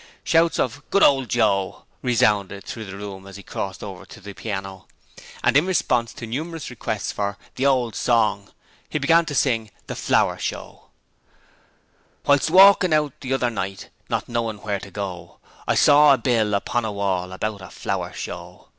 Shouts of 'Good old Joe' resounded through the room as he crossed over to the piano, and in response to numerous requests for 'The old song' he began to sing 'The Flower Show': 'Whilst walkin' out the other night, not knowing where to go I saw a bill upon a wall about a Flower Show.